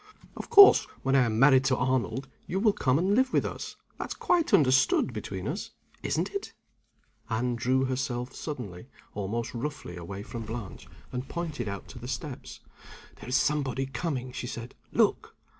Of course, when I am married to Arnold, you will come and live with us. That's quite understood between us isn't it?" Anne drew herself suddenly, almost roughly, away from Blanche, and pointed out to the steps. "There is somebody coming," she said. "Look!"